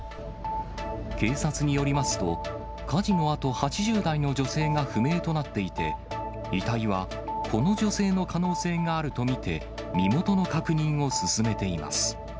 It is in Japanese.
警察によりますと、火事のあと８０代の女性が不明となっていて、遺体はこの女性の可能性があると見て、身元の確認を進めています。